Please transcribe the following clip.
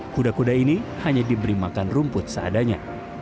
kuda kuda ini hanya diberi makan rumput seadanya